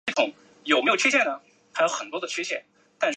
国立台北艺术大学电影创作学系